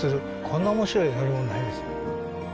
こんな面白い乗り物ないですよ。